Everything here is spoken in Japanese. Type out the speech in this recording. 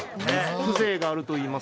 風情があるといいますか。